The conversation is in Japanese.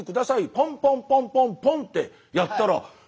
ポンポンポンポンポンってやったらえぇ！